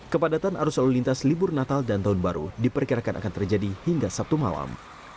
kepadatan arus lalu lintas libur natal dan tahun baru diperkirakan akan terjadi hingga sabtu malam